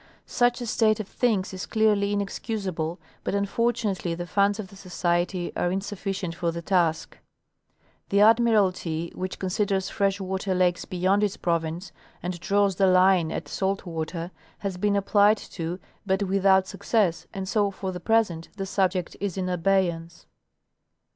Such a state of thingsis clearly inexcusable, but unfortunately the funds of the society are in sufficient for the task. The Admiralty, which considers fresh water lakes beyond its province and draws the line at salt water, Definition' of Geography. 105 has been applied to but without success, and so for the present the subject is in abeyance.